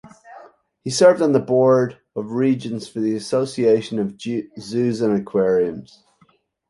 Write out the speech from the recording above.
He served on the Board of Regents for the Association of Zoos and Aquariums.